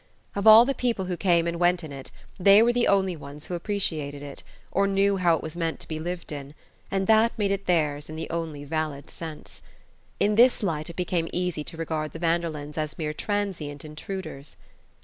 Of all the people who came and went in it, they were the only ones who appreciated it, or knew how it was meant to be lived in; and that made it theirs in the only valid sense. In this light it became easy to regard the Vanderlyns as mere transient intruders.